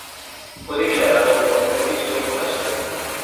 Fue declarado Monumento Histórico Nacional.